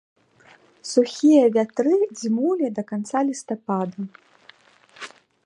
Сухія вятры дзьмулі да канца лістапада.